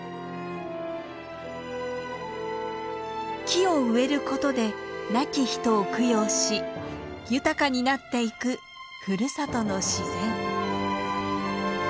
木を植えることで亡き人を供養し豊かになっていくふるさとの自然。